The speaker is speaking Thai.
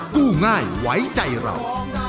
กู้ง่ายไว้ใจเรา